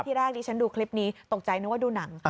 ที่แรกดิฉันดูคลิปนี้ตกใจนึกว่าดูหนัง